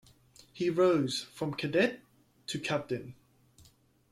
He rose from Cadet to Captain.